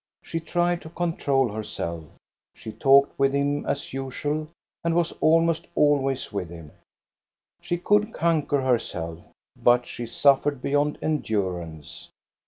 She tried to control herself; she talked with him as usual and was almost always with him. She could conquer herself, but she suffered beyond endurance.